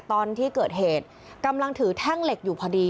ตอนที่เกิดเหตุกำลังถือแท่งเหล็กอยู่พอดี